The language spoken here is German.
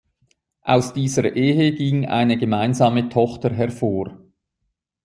Aus dieser Ehe ging eine gemeinsame Tochter hervor.